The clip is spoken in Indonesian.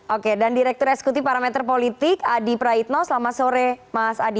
oke dan direktur eskuti parameter politik adi praitno selamat sore mas adi